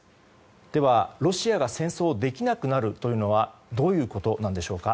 では、ロシアが戦争をできなくなるというのはどういうことなのでしょうか。